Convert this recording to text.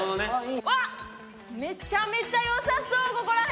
めちゃめちゃよさそうここら辺。